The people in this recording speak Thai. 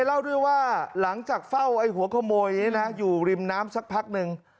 หรือว่าหลังจากเฝ้าไอ้หัวขโมยอยู่ริมน้ำสักพักนึง